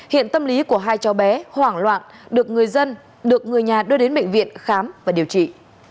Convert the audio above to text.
hiện tâm lý của hai cháu bé hoảng loạn được người dân được người nhà đưa đến bệnh viện khám và điều trị